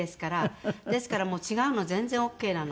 ですからもう違うの全然オーケーなので。